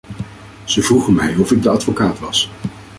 Ze vroegen mij of ik de advocaat was.